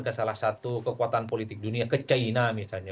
ke salah satu kekuatan politik dunia ke china misalnya